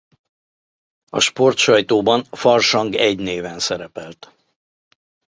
A sportsajtóban Farsang I néven szerepelt.